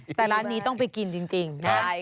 แต่ร้านนี้ต้องไปกินจริง